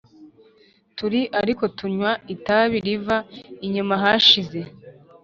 turi ariko tunywa itabi riva inyuma yashize;